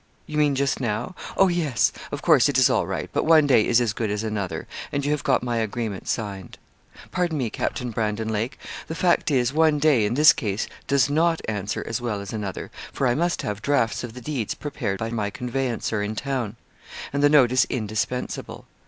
'You mean just now? Oh, yes; of course it is all right; but one day is as good as another; and you have got my agreement signed.' 'Pardon me, Captain Brandon Lake; the fact is, one day, in this case, does not answer as well as another, for I must have drafts of the deeds prepared by my conveyancer in town, and the note is indispensable.